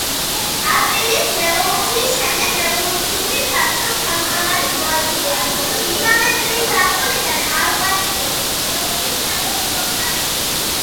აპრილის რევოლუციის შემდეგ რევოლუციური საბჭოს თავმჯდომარის მოადგილეა, ხოლო იმავე წლის ზაფხულიდან ავღანეთის ელჩი ჩეხოსლოვაკიაში.